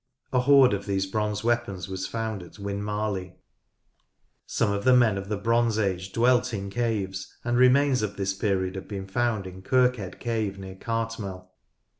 A horde of these bronze weapons was found at Winmarleigh. Some of the men of the Bronze Age dwelt in caves, and remains of this period have been found in Kirkhead Cave near Cartmel.